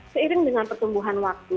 seiring dengan pertumbuhan waktu